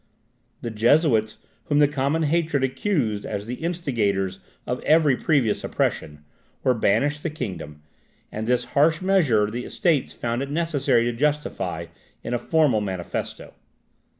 The Jesuits, whom the common hatred accused as the instigators of every previous oppression, were banished the kingdom, and this harsh measure the Estates found it necessary to justify in a formal manifesto.